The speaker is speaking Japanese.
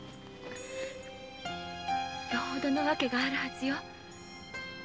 よほどの訳があるはずよ。